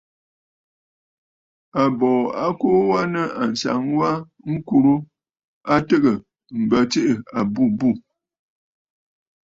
Àbòò a kuu wa nɨ̂ ànsaŋ wa ŋkurə a tɨgə̀ m̀bə tsiʼì àbûbû.